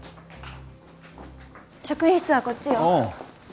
職員室はこっちよ。